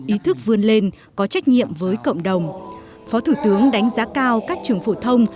ý thức vươn lên có trách nhiệm với cộng đồng phó thủ tướng đánh giá cao các trường phổ thông